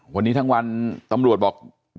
วันนี้ทั้งวันตำรวจบอก